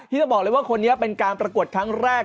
จะบอกเลยว่าคนนี้เป็นการประกวดครั้งแรก